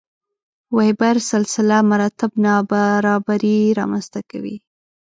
وېبر سلسله مراتب نابرابري رامنځته کوي.